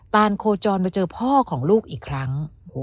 นโคจรมาเจอพ่อของลูกอีกครั้ง